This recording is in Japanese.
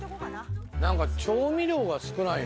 何か調味料が少ないね。